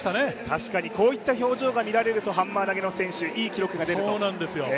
確かにこういった表情が見られるとハンマー投の選手、いい記録が出ると。